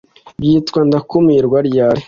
Byitwa ndakumirwa ryari